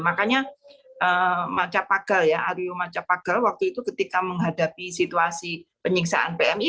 makanya macapagal ya aryo macapagal waktu itu ketika menghadapi situasi penyiksaan pmi